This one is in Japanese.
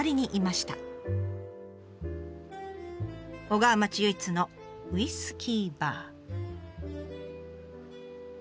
小川町唯一のウイスキーバー。